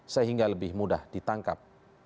sehingga lebih mudah ditangkap